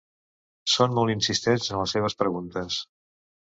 Són molt insistents en les seves preguntes.